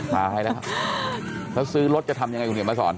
ตายแล้วแล้วซื้อรถจะทำยังไงคุณเห็นมาสอน